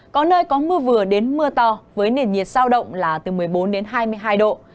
có nơi có mưa vừa đến mưa to với nền nhiệt sao động là từ một mươi bốn đến hai mươi hai độ